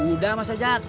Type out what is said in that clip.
udah mas sajak